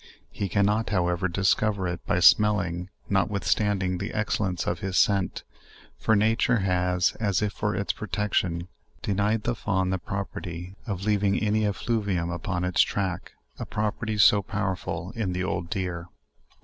He cannot, however, discover it by smelling, notwithstanding the excellence of his scent; for na ture has, as if for its protection, denied the fawn the proper ty of leaving any effluvium upon its track, a property so powerful in the old deer.